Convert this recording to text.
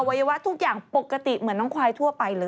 วัยวะทุกอย่างปกติเหมือนน้องควายทั่วไปเลย